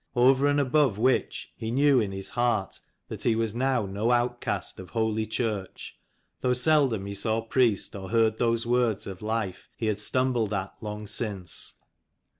Over and above which, he knew in his heart that he was now no outcast of holy church, though seldom he saw priest or heard those words of life he had stumbled at long since.